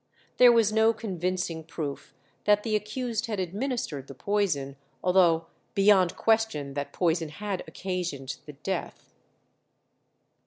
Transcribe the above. There was no convincing proof that the accused had administered the poison, although beyond question that poison had occasioned the death.